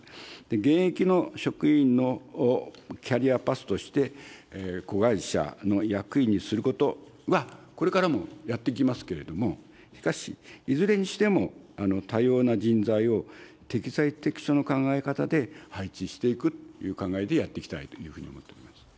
現役の職員のキャリアパスとして、子会社の役員にすることは、これからもやっていきますけれども、しかし、いずれにしても、多様な人材を適材適所の考え方で配置していくという考えでやっていきたいというふうに思っております。